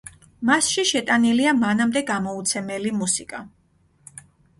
მასში შეტანილია მანამდე გამოუცემელი მუსიკა.